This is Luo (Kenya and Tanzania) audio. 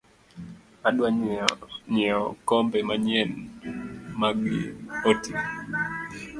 Adwa nyieo kombe manyien magi otii.